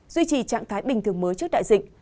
duy trì trạng thái bình thường mới trước đại dịch